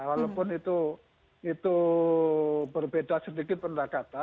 walaupun itu berbeda sedikit pendekatan